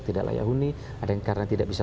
tidak layak huni ada yang karena tidak bisa